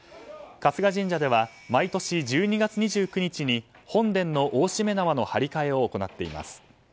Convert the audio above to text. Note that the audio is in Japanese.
春日神社では毎年１２月２９日に本殿の大しめ縄の張り替えを行っています。